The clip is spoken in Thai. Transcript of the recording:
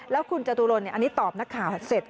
แล้วคุณจตุรนอันนี้ตอบนักข่าวเสร็จ